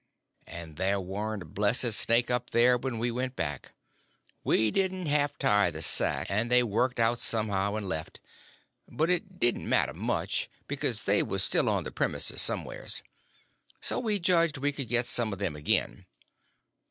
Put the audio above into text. And there warn't a blessed snake up there when we went back—we didn't half tie the sack, and they worked out somehow, and left. But it didn't matter much, because they was still on the premises somewheres. So we judged we could get some of them again.